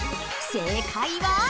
正解は？